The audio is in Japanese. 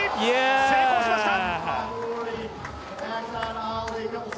成功しました。